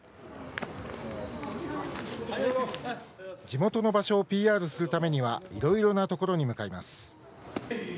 地元の場所をＰＲするためにはいろいろなところに向かいます。